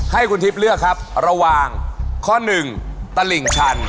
ให้คุณทิพย์เลือกครับระหว่างข้อหนึ่งตลิ่งชัน